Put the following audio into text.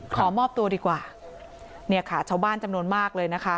ขอมอบตัวดีกว่าเนี่ยค่ะชาวบ้านจำนวนมากเลยนะคะ